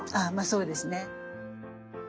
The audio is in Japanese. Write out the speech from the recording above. ああまあそうですね。